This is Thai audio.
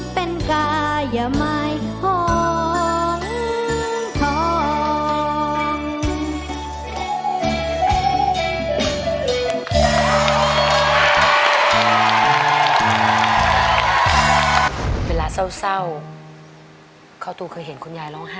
เป็นกายไม้ของทอง